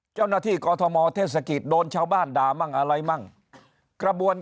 เจ้าหน้าที่กฎหมอเทศกิตโดนชาวบ้านด่ามั่งอะไรมั่งกระบวน